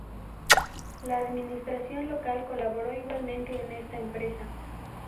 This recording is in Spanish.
La administración local colaboró igualmente en esta empresa.